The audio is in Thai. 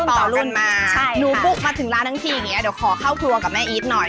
คุณสาวรุ่นมากหนูปุ๊กมาถึงร้านทั้งทีอย่างนี้ละครับเดี๋ยวขอเข้าครัวว่ากับแม่อี๋ดหน่อย